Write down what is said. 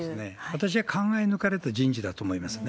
私は考え抜かれた人事だと思いますね。